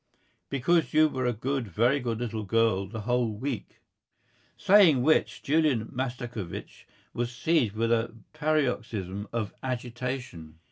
"Because you were a good, very good little girl the whole week." Saying which, Julian Mastakovich was seized with a paroxysm of agitation.